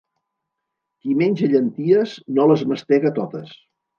Qui menja llenties no les mastega totes.